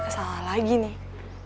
salah lagi nih